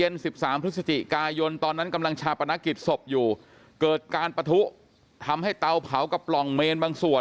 ณกิตะสบอยู่เกิดการปัถุทำให้เตาเผากับปล่องเมนบางส่วน